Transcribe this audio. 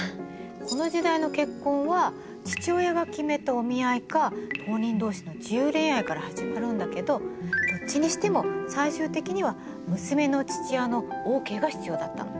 この時代の結婚は父親が決めたお見合いか当人同士の自由恋愛から始まるんだけどどっちにしても最終的には娘の父親のＯＫが必要だったの。